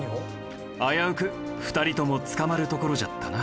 危うく２人とも捕まるところじゃったな。